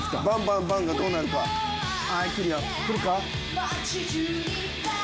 バンバンバンがどうなるか。